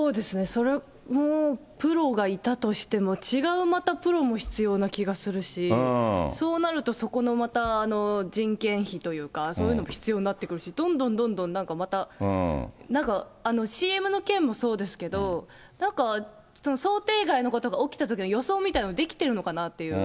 それもプロがいたとしても、違うまたプロも必要な気がするし、そうなるとそこのまた、人件費というか、そういうのも必要になってくるし、どんどんどんどん、またなんか、ＣＭの件もそうですけど、なんか想定外のことが起きたときの予想みたいなのができてるのかなっていう。